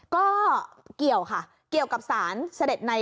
ก็เกี่ยวค่ะเกี่ยวกับสารเสด็จใน